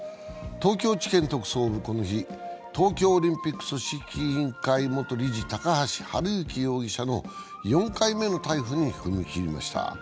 東京地検特捜部はこの日東京オリンピック組織委員会元理事高橋治之容疑者の４回目の逮捕に踏み切りました。